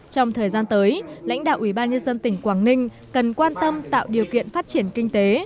trong thời gian tới lãnh đạo ủy ban nhân dân tỉnh quảng ninh cần quan tâm tạo điều kiện phát triển kinh tế